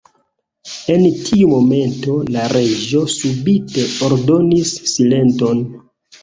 En tiu momento la Reĝo subite ordonis "Silenton!"